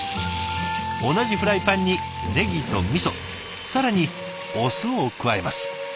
同じフライパンにネギとみそ更にお酢を加えます。